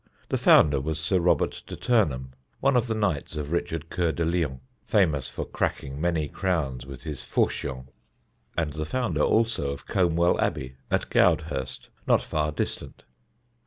The founder was Sir Robert de Turneham, one of the knights of Richard Coeur de Lion, famous for cracking many crowns with his "fauchion," and the founder also of Combwell Abbey at Goudhurst, not far distant.